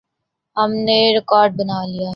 ہم نے راکٹ بنا لیے۔